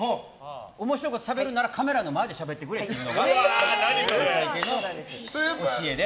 面白いことしゃべるならカメラの前でしゃべってくれっていうのが教えで。